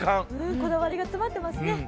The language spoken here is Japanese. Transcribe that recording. こだわりが詰まってますね。